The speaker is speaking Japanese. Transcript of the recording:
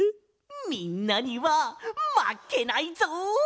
みんなにはまけないぞ！